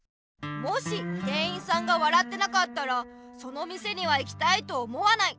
もし店員さんが笑ってなかったらその店には行きたいと思わない。